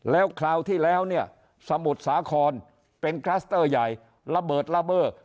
แล้วคราวที่แล้วเนี่ยสมุทรสาครเป็นคลัสเตอร์ใหญ่ระเบิดระเบิด